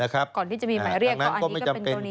ก่อนที่จะมีหมายเรียกก็อันนี้ก็เป็นกรณีไม่จำเป็น